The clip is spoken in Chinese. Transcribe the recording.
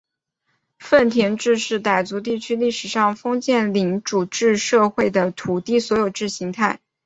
份田制是傣族地区历史上封建领主制社会的土地所有制形态。